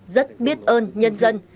rất biết ơn nhân dân